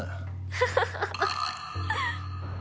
ハハハハッ。